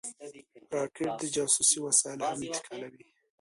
راکټ د جاسوسۍ وسایل هم انتقالوي